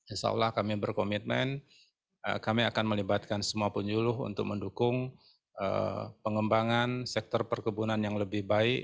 insya allah kami berkomitmen kami akan melibatkan semua penyuluh untuk mendukung pengembangan sektor perkebunan yang lebih baik